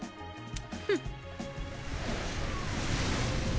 フッ。